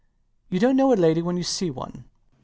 You dont know a lady when you see one.